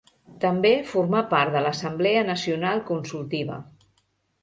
També formà part de l'Assemblea Nacional Consultiva.